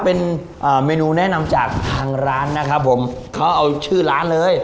เป็นเมนูแนะนำจากทางร้านนะครับผมเขาเอาชื่อร้านเลย